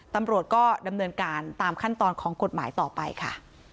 ตำรวจก็ดำเนินการตามขั้นตอนของกฎหมายต่อไปค่ะ